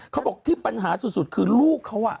เขาบอกที่ปัญหาสุดคือลูกเขา